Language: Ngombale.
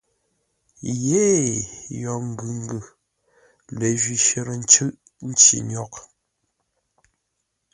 Yêee yo ngʉ ngʉ, ləjwi shərə ncʉ́ʼ nci nyôghʼ.